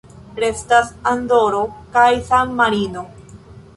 Restas Andoro kaj San-Marino.